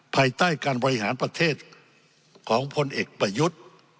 ภายใต้การบริหารประเทศของพลเอกประยุทธ์